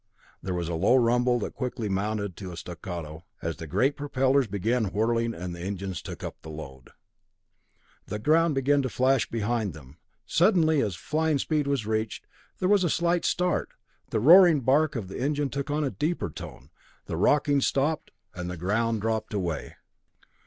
There was a low rumble that quickly mounted to a staccato roar as the great propellers began whirling and the engines took up the load. The ground began to flash behind them; then suddenly, as flying speed was reached, there was a slight start, the roaring bark of the engine took on a deeper tone, the rocking stopped and the ground dropped away.